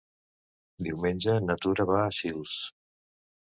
Diumenge na Tura va a Sils.